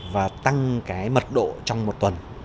và tăng cái mật độ trong một tuần